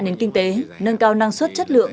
nền kinh tế nâng cao năng suất chất lượng